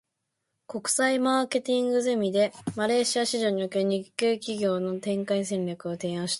国際マーケティングゼミで、マレーシア市場における日系企業の展開戦略を提案した。